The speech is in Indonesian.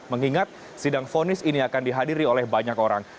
mengingat sidang fonis ini akan dihadiri oleh banyak orang